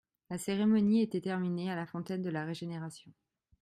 La cérémonie était terminée à la fontaine de la Régénération.